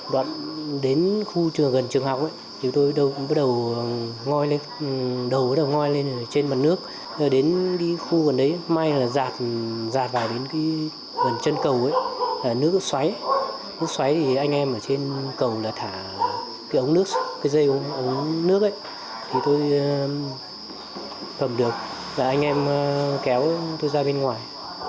đoạn đến khu trường gần trường học ấy thì tôi bắt đầu ngói lên đầu ngói lên trên mặt nước đến khu gần đấy may là giạt vài đến gần chân cầu nước nó xoáy nước xoáy thì anh em ở trên cầu thả cái ống nước cái dây ống nước ấy thì tôi thầm được và anh em kéo tôi ra bên ngoài